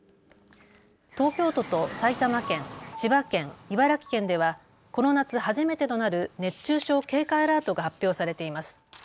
東京都と埼玉県、千葉県、茨城県ではこの夏初めてとなる熱中症警戒アラートが発表されています。